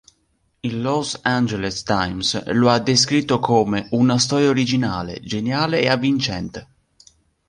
Il "Los Angeles Times" lo ha descritto come "una storia originale, geniale ed avvincente.